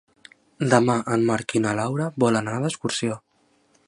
Demà en Marc i na Laura volen anar d'excursió.